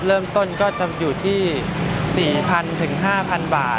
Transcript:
เริ่มต้นก็จะอยู่ที่๔๐๐๐๕๐๐บาท